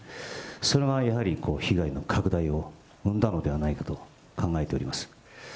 それがやはり被害の拡大を生んだのではないかと考えております。